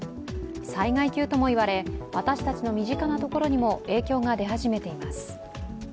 災害級とも言われ、私たちの身近なところにも影響が出始めています。